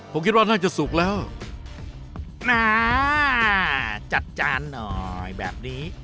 ผมคิดว่าน่าจะสุกแล้วน่าจัดจานหน่อยแบบนี้